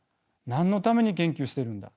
何のために研究してるんだ？